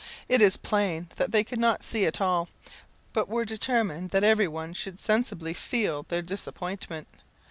It is plain that they could not see at all, but were determined that every one should sensibly feel their disappointment.